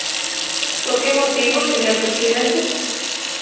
¿Por que motivo, señor presidente?